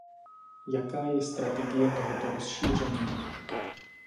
Jaká je strategie tohoto rozšíření?